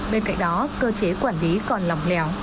bên cạnh đó cơ chế quản lý còn lỏng lẻo